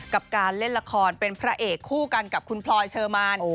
กับการเล่นละครเป็นพระเอกคู่กันกับคุณพลอยเชอร์มาน